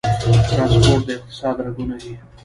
ټرانسپورټ د اقتصاد رګونه دي